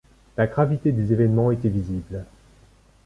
La gravité des événements était visible.